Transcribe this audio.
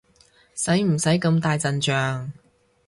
使唔使咁大陣仗？